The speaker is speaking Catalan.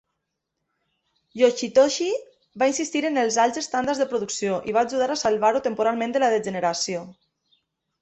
Yoshitoshi va insistir en els alts estàndards de producció, i va ajudar a salvar-ho temporalment de la degeneració.